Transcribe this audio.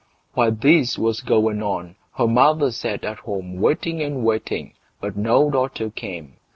While this was going on, her mother sat at home waiting and waiting, but no daughter came.